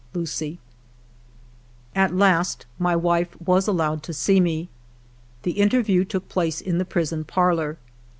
... Lucie." At last my wife was allowed to see me. The interview took place in the prison parlor.